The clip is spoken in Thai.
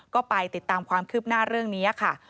ก็ไปติดตามความคืบหน้าเรื่องนี้ค่ะ